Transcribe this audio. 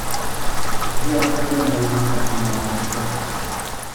J'ai un problème avec mon imprimante.